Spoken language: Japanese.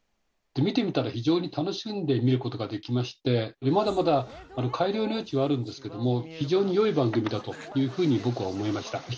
見てみたら非常に楽しんで見ることができましてまだまだ改良の余地はあるんですけども非常によい番組だというふうに僕は思いました。